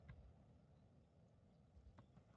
Chunki etagidan qolmasdim